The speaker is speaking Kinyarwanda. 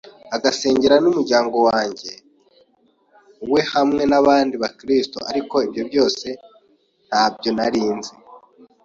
agasengera n’umuryango wanjye we hamwe n’abandi bakristo ariko ibyo byose ntabyo nari nzi.